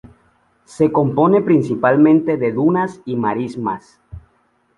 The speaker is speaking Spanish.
Se compone principalmente de dunas y marismas.